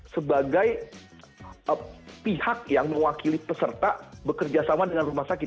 sebagai pihak yang mewakili peserta bekerja sama dengan rumah sakit